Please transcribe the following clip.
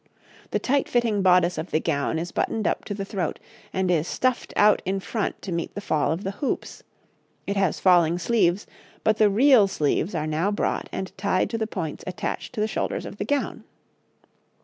The tight fitting bodice of the gown is buttoned up to the throat, and is stuffed out in front to meet the fall of the hoops; it has falling sleeves, but the real sleeves are now brought and tied to the points attached to the shoulders of the gown.